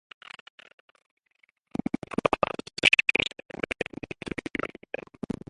The makefile has been changed and make needs to be run again.